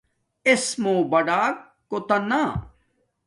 اݵسمݸ بڑݳک کݸتݳ نݳ.